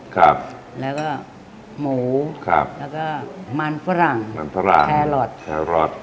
ครับแล้วก็หมูครับแล้วก็มันฝรั่งมันฝรั่งแครอทแครอท